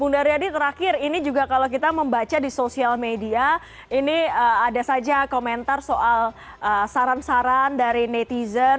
bung daryadi terakhir ini juga kalau kita membaca di sosial media ini ada saja komentar soal saran saran dari netizen